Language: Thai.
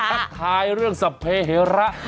ทักทายเรื่องสัพเฮระ